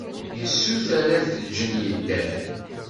Yessuter ad t-ǧǧen yedder.